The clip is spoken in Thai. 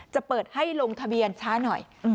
จะเปิดให้ลงทะเบียนช้าหน่อย